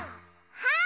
はい。